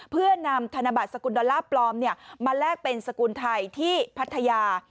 เพื่อนำธนบัตรสกุลดอลลาร์ปลอมมาแลกเป็นสกุลไทยที่พัทยา